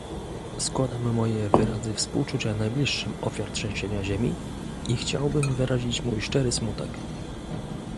Składam moje wyrazy współczucia najbliższym ofiar trzęsienia ziemi, i chciałbym wyrazić mój szczery smutek